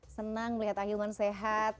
senang melihat hilman sehat